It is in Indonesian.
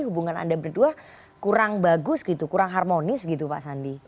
hubungan anda berdua kurang bagus gitu kurang harmonis gitu pak sandi